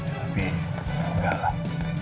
tapi enggak lah